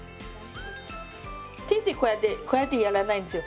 手でこうやってこうやってやらないんですよ。